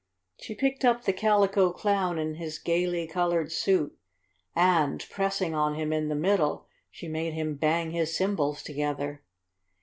She picked up the Calico Clown in his gaily colored suit, and, pressing on him in the middle, she made him bang his cymbals together.